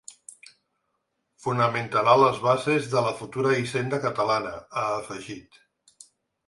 Fonamentarà les bases de la futura hisenda catalana, ha afegit.